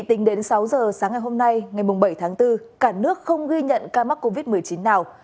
tính đến sáu giờ sáng ngày hôm nay ngày bảy tháng bốn cả nước không ghi nhận ca mắc covid một mươi chín nào